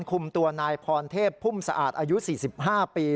คุมตัวนายพรเทพพุ่มสะอาดอายุ๔๕ปี